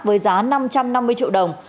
với giá năm trăm năm mươi triệu đồng